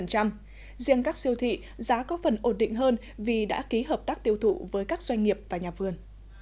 riêng các siêu thị giá có phần ổn định hơn vì đã ký hợp tác tiêu thụ với các doanh nghiệp và nhà vườn